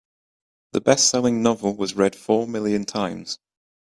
The bestselling novel was read four million times.